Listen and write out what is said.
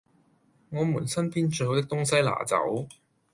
我們身邊最好的東西拿走